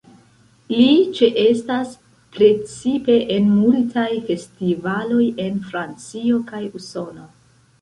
Li ĉeestas precipe en multaj festivaloj en Francio kaj Usono.